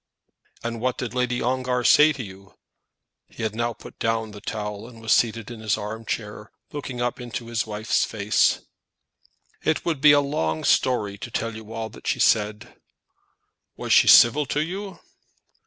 "And what did Lady Ongar say to you?" He had now put down the towel, and was seated in his arm chair, looking up into his wife's face. "It would be a long story to tell you all that she said." "Was she civil to you?"